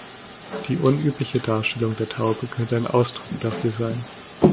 Die unübliche Darstellung der Taube könnte ein Ausdruck dafür sein.